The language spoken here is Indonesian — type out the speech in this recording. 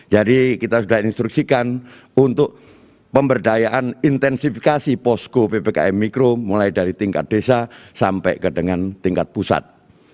jadi kita sudah instruksikan untuk pemberdayaan intensifikasi posko ppkm mikro mulai dari tingkat desa sampai ke dengan tingkat pusat